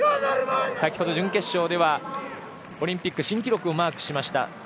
先ほど準決勝ではオリンピック新記録をマークしました。